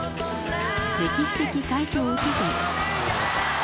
歴史的快挙を受けて。